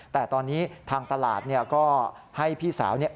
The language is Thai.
แต่ตอนนี้ทางตลาดเนี่ยก็ให้พี่สาวเนี่ย